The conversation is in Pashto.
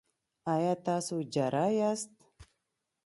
ایا تاسو جراح یاست؟